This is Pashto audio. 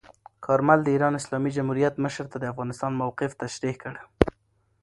کارمل د ایران اسلامي جمهوریت مشر ته د افغانستان موقف تشریح کړ.